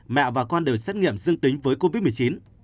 mẹ và con đều xét nghiệm dương tính với covid một mươi chín